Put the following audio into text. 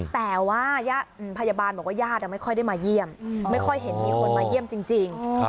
แต่ว่าพยาบาลบอกว่าญาติไม่ค่อยได้มาเยี่ยมไม่ค่อยเห็นมีคนมาเยี่ยมจริง